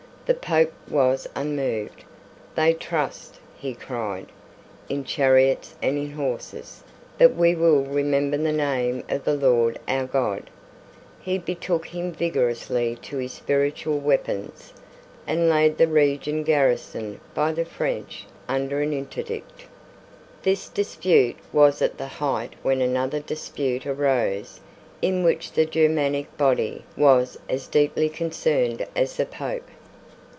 The Pope was unmoved. "They trust," he cried, "in chariots and in horses; but we will remember the name of the Lord our God." He betook him vigorously to his spiritual weapons, and laid the region garrisoned by the French under an interdict. This dispute was at the height when another dispute arose, in which the Germanic body was as deeply concerned as the Pope.